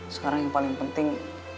sekarang yang paling penting